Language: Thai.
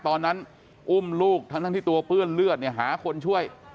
ตอนนั้นอุ้มลูกทั้งที่ตัวเปื้อนเลือดเนี่ยหาคนช่วย